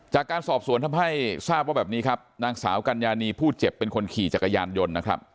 จากการสอบสวนทำให้ทราบว่าแบบนี้ครับนางสาวกัญญานีผู้เจ็บเป็นคนขี่จักรยานยนต์นะครับ